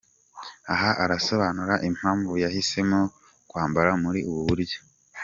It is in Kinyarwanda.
Aha arasobanura impamvu yahisemo kwambara muri ubu buryo.